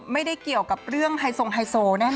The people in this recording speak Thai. ไม่ได้เกี่ยวกับเรื่องไฮโซงไฮโซแน่